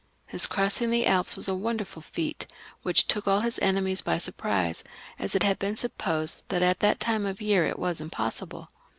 His crossing the Alps was a wonderftd feat, which took all his enemies by surprise, as it had been supposed that at that time of year it was impossible.